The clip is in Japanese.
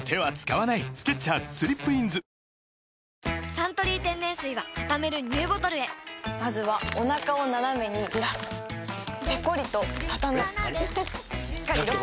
「サントリー天然水」はたためるＮＥＷボトルへまずはおなかをナナメにずらすペコリ！とたたむしっかりロック！